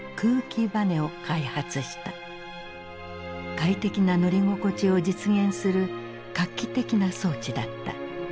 快適な乗り心地を実現する画期的な装置だった。